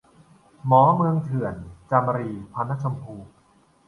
หมอเมืองเถื่อน - จามรี พรรณชมพู